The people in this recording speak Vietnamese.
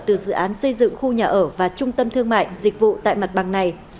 từ dự án xây dựng khu nhà ở và trung tâm thương mại dịch vụ tại mặt bằng này